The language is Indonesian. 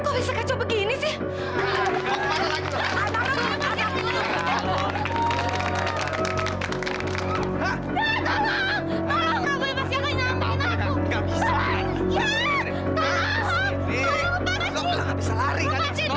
udah ngapa sih bang